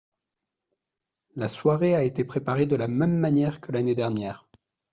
La soirée a été préparée de la même manière que l’année dernière.